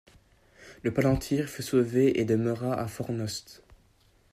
Le palantír fut sauvé et demeura à Fornost.